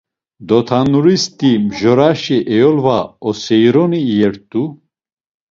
Dotanuristi Mjoraşi eyolva oseyironi iyert̆u.